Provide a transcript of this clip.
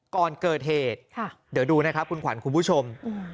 ก่อนเกิดเหตุเดี๋ยวดูนะครับคุณขวัญคุณผู้ชม